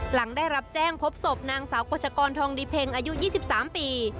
หลังได้รับแจ้งพบศพนางสาวกวชกรทองดิเพงอายุยี่สิบสามปี